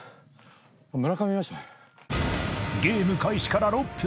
［ゲーム開始から６分。